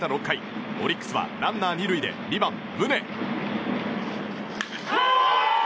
６回オリックスはランナー２塁で２番、宗。